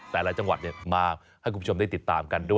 แต่ละจังหวัดมาให้คุณผู้ชมได้ติดตามกันด้วย